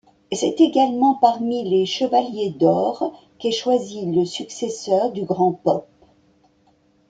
C’est également parmi les Chevaliers d’Or qu’est choisi le successeur du Grand Pope.